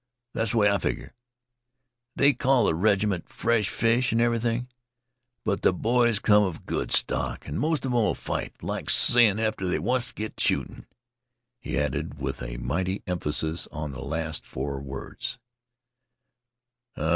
That's the way I figger. They call the reg'ment 'Fresh fish' and everything; but the boys come of good stock, and most of 'em 'll fight like sin after they oncet git shootin'," he added, with a mighty emphasis on the last four words.